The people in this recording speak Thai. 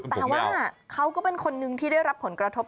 แต่ว่าเขาก็เป็นคนนึงที่ได้รับผลกระทบ